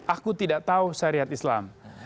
aku tidak tahu syariat islam